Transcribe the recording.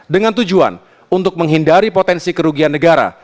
dengan tujuan untuk menghindari potensi kerugian negara